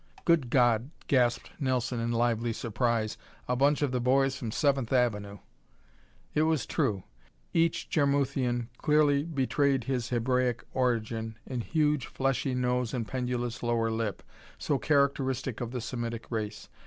"Good God!" gasped Nelson in lively surprise. "A bunch of the boys from Seventh Avenue!" It was true: each Jarmuthian clearly betrayed his Hebraic origin in huge, fleshy nose and pendulous lower lip, so characteristic of the Semitic race.